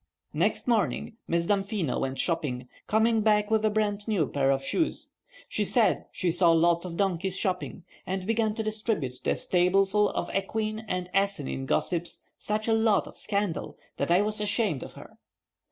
Next morning Miss Damfino went shopping, coming back with a brand new pair of shoes. She said she saw lots of donkeys shopping, and began to distribute to a stableful of equine and asinine gossips such a lot of scandal that I was ashamed of her.